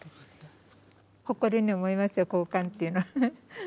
誇りに思いますよ公看っていうのは。